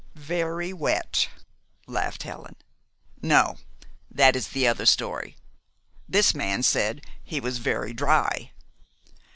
"Very wet," laughed Helen. "No, that is the other story. This man said he was very dry."